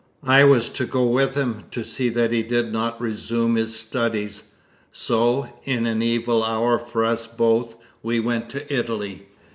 I was to go with him, to see that he did not resume his studies, so, in an evil hour for us both, we went to Italy."